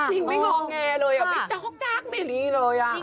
นิ่งไม่งอแงเลยอย่าไปเจ้าหกจากแบบนี้เลยอ่ะ